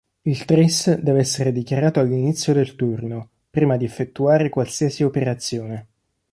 Il tris deve essere dichiarato all'inizio del turno, prima di effettuare qualsiasi operazione.